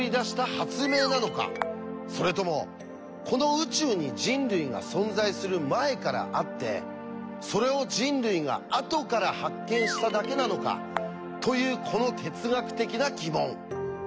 それともこの宇宙に人類が存在する前からあってそれを人類があとから発見しただけなのかというこの哲学的な疑問。